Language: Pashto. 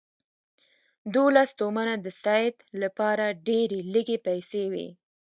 دوولس تومنه د سید لپاره ډېرې لږې پیسې وې.